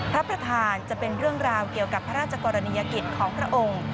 พระประธานจะเป็นเรื่องราวเกี่ยวกับพระราชกรณียกิจของพระองค์